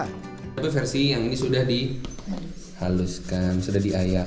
tapi versi yang ini sudah dihaluskan sudah diayak